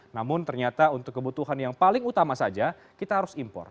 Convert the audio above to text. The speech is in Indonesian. namun ternyata untuk kebutuhan yang paling utama saja kita harus impor